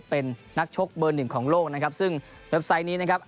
เป็นนักชกเบอร์หนึ่งของโลกนะครับซึ่งเว็บไซต์นี้นะครับ